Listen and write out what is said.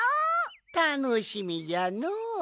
たのしみじゃのお。